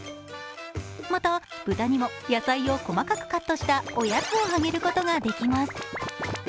また豚にも野菜を細かくカットしたおやつをあげることができます。